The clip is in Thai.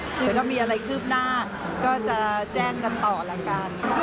ถ้าเกิดมีอะไรคืบหน้าก็จะแจ้งกันต่อแล้วกัน